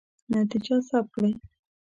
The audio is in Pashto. نتیجه ثبت کړئ.